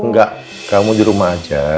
enggak kamu di rumah aja